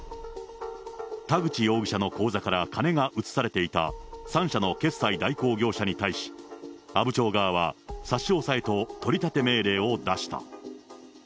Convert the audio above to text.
田口容疑者の口座から金が移されていた３社の決済代行業者に対し、阿武町側は差し押さえと取り立て命令を出した。